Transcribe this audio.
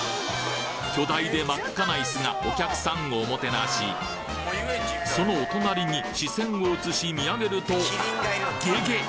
巨大で真っ赤なイスがお客さんをおもてなしそのお隣に視線を移し見上げるとげげっ！